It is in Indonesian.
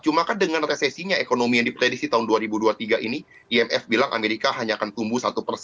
cuma kan dengan resesinya ekonomi yang diprediksi tahun dua ribu dua puluh tiga ini imf bilang amerika hanya akan tumbuh